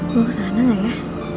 mau kesana ga ya